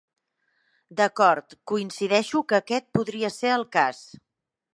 D'acord, coincideixo que aquest podria ser el cas.